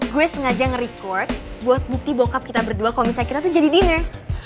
gue sengaja ngerecord buat bukti bokap kita berdua kalo misalnya kita tuh jadi dinner